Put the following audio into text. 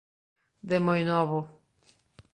de moi novo